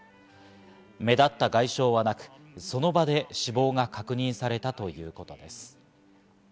目立った外傷はなく、その場で死亡が確認されたということです。